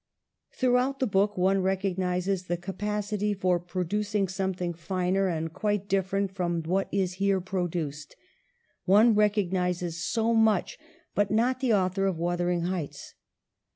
Throughout the book one recognizes the ca pacity for producing something finer and quite WRITING POETRY. 183 different from what is here produced ; one rec ognizes so much, but not the author of ' Wuth ering Heights.'